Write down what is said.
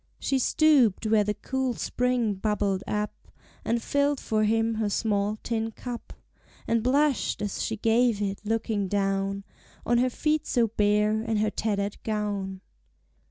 She stooped where the cool spring bubbled up, And filled for him her small tin cup, And blushed as she gave it, looking down On her feet so bare, and her tattered gown.